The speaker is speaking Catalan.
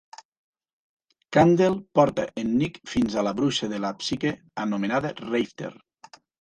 Candle porta en Nick fins a la bruixa de la psique anomenada Rafter.